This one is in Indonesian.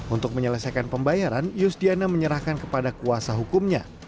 untuk menyelesaikan pembayaran yusdiana menyerahkan kepada kuasa hukumnya